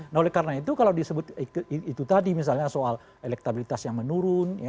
nah oleh karena itu kalau disebut itu tadi misalnya soal elektabilitas yang menurun